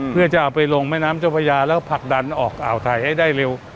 เพื่อจะเอาไปลงแม่น้ำเจ้าพระยาแล้วผลักดันออกอ่าวไทยให้ได้เร็ว